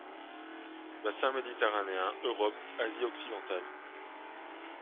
Bassin méditerranéen, Europe, Asie occidentale.